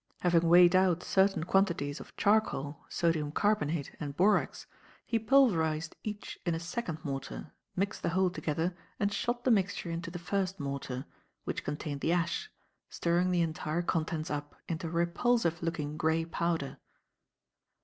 Having weighed out certain quantities of charcoal, sodium carbonate and borax, he pulverized each in a second mortar, mixed the whole together and shot the mixture into the first mortar, which contained the ash, stirring the entire contents up into a repulsive looking grey powder.